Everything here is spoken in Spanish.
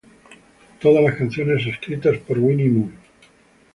Todas las canciones escritas por Vinnie Moore.